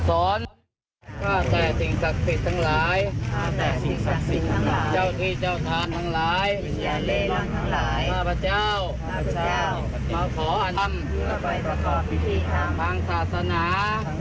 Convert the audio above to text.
ซึ่งจะไปประกอบพิธีฐางทำศาสนา